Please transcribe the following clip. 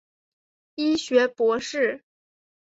医学博士。